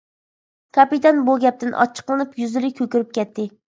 كاپىتان بۇ گەپتىن ئاچچىقلىنىپ يۈزلىرى كۆكىرىپ كەتتى.